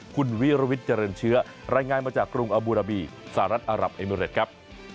คุณวิรวิทย์เจริญเชื้อรายงานมาจากกรุงอบูราบีสหรัฐอารับเอมิเรตครับ